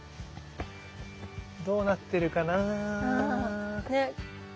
どうなってるかな？